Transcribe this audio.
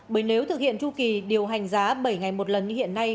bởi nếu thực hiện tru kỳ điều hành giá bảy ngày một lần như hiện nay